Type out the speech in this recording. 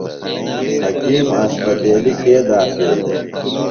حکیم اسپتیلیۡ کے داخل دےۡ؟